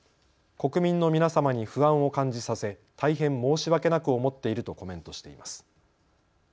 国民の皆様に不安を感じさせ大変申し訳なく思っているとコメントしています。